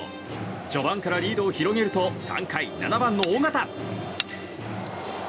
序盤からリードを広げると３回、７番の尾形。